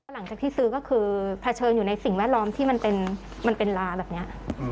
หลังจากที่ซื้อก็คือเผชิญอยู่ในสิ่งแวดล้อมที่มันเป็นลาแบบนี้